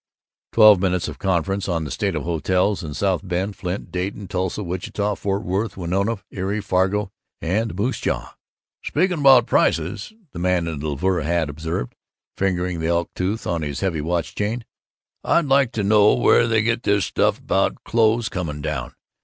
(Twelve minutes of conference on the state of hotels in South Bend, Flint, Dayton, Tulsa, Wichita, Fort Worth, Winona, Erie, Fargo, and Moose Jaw.) "Speaknubout prices," the man in the velour hat observed, fingering the elk tooth on his heavy watch chain, "I'd like to know where they get this stuff about clothes coming down.